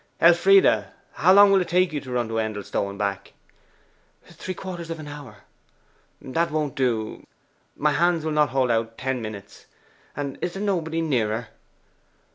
'Elfride, how long will it take you to run to Endelstow and back?' 'Three quarters of an hour.' 'That won't do; my hands will not hold out ten minutes. And is there nobody nearer?